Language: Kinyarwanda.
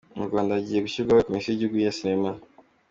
Mu Rwanda hagiye gushyirwaho Komisiyo y’igihugu ya Sinema